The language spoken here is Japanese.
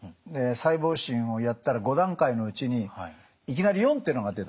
細胞診をやったら５段階のうちにいきなり４ってのが出たんですね。